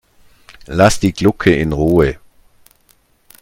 Lass die Glucke in Ruhe!